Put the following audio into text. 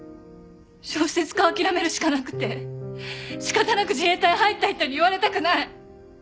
小説家諦めるしかなくて仕方なく自衛隊入った人に言われたくない！